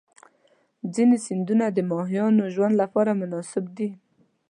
ځینې سیندونه د ماهیانو ژوند لپاره مناسب دي.